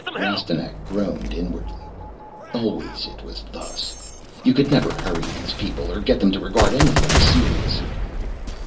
Rastignac groaned inwardly. Always it was thus. You could never hurry these people or get them to regard anything seriously.